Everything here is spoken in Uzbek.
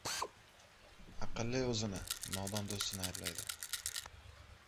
• Aqlli o‘zini, nodon do‘stini ayblaydi.